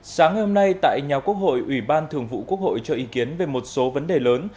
sáng hôm nay tại nhà quốc hội ủy ban thường vụ quốc hội cho ý kiến về một số vấn đề lớn